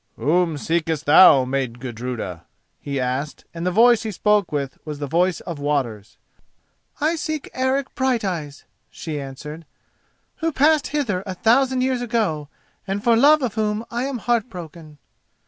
"Whom seekest thou, maid Gudruda?" he asked, and the voice he spoke with was the voice of waters. "I seek Eric Brighteyes," she answered, "who passed hither a thousand years ago, and for love of whom I am heart broken."